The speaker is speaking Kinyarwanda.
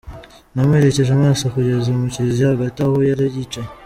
Namuherekeje amaso, kugeza mu kiliziya hagati aho yari yicaye.